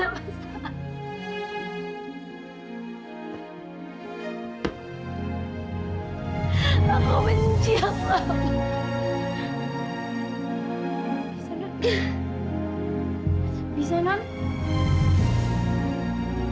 aku nggak mau tunang ada masalah